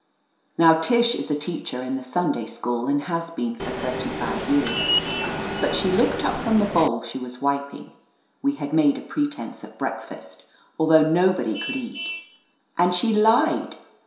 Now Tish is a teacher in the Sunday School and has been for thirty five years. But she looked up from the bowl she was wiping — ^we had made a pretense at breakfast, although no body could eat — and she lied.